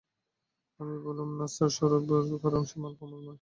আমি বললুম, না, সরাব না, কারণ, সে মাল আমার নয়।